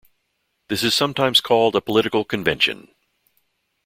This is sometimes called a political convention.